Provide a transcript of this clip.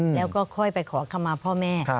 แล้วก็ค่อยไปขอคำมาพ่อแม่